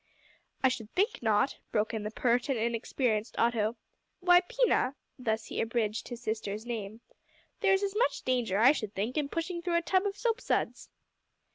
"I should think not," broke in the pert and inexperienced Otto; "why, Pina," (thus he abridged his sister's name), "there's as much danger, I should think, in pushing through a tub of soap suds."